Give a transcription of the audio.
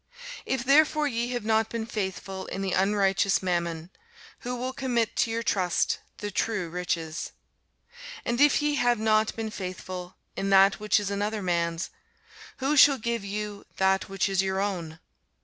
If therefore ye have not been faithful in the unrighteous mammon, who will commit to your trust the true riches? And if ye have not been faithful in that which is another man's, who shall give you that which is your own?